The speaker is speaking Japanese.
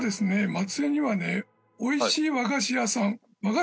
松江にはね美味しい和菓子屋さん。